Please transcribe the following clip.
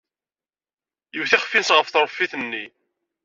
Iwet iɣef-nnes ɣer tṛeffit-nni.